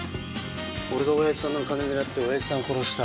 俺がおやじさんの金狙っておやじさんを殺した。